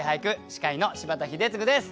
司会の柴田英嗣です。